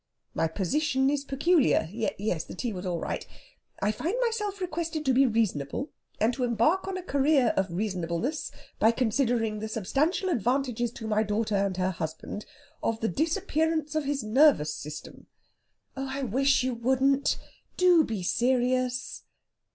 "My position is peculiar. (Yes, the tea was all right.) I find myself requested to be reasonable, and to embark on a career of reasonableness by considering the substantial advantages to my daughter and her husband of the disappearance of his nervous system...." "Oh, I wish you wouldn't! Do be serious...."